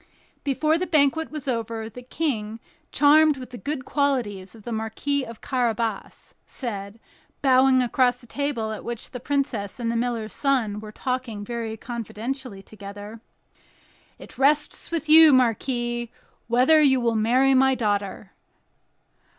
Before the banquet was over, the King, charmed with the good qualities of the Marquis of Carabas, said, bowing across the table at which the princess and the miller's son were talking very confidentially together: "It rests with you, marquis, whether you will marry my daughter."